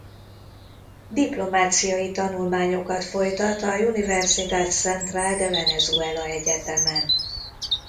Diplomáciai tanulmányokat folytat a Universidad Central de Venezuela egyetemen.